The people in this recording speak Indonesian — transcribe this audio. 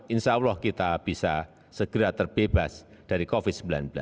insyaallah kita bisa segera terbebas dari covid sembilan belas